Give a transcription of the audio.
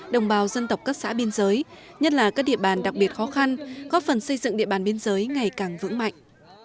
đồng bào dân tộc các xã biên giới nhất là các địa bàn đặc biệt khó khăn góp phần xây dựng địa bàn biên giới ngày càng vững mạnh